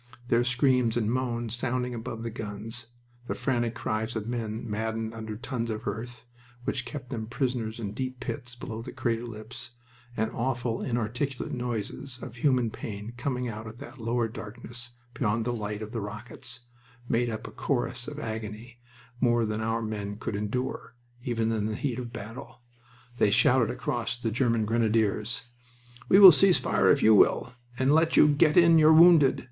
Their screams and moans sounding above the guns, the frantic cries of men maddened under tons of earth, which kept them prisoners in deep pits below the crater lips, and awful inarticulate noises of human pain coming out of that lower darkness beyond the light of the rockets, made up a chorus of agony more than our men could endure, even in the heat of battle. They shouted across to the German grenadiers: "We will cease fire if you will, and let you get in your wounded...